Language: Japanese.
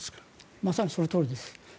まさにそのとおりです。